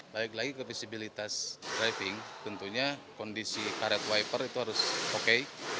baik lagi ke visibilitas driving tentunya kondisi karet wiper itu harus oke